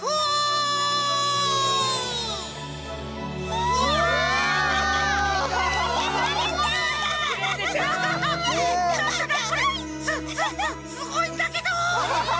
すすすすごいんだけど！